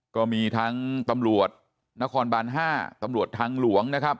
ก็มีทั้งตำรวจนครบาน๕ตำรวจทางหลวงนะครับ